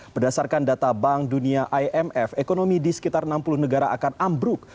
berdasarkan data bank dunia imf ekonomi di sekitar enam puluh negara akan ambruk